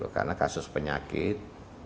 karena kasus penyakit